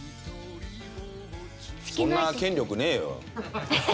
そんな権力ねえよ。